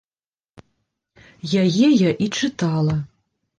Яе я і чытала.